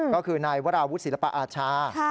ก็คือนายวราวุฒิศิลปอาชา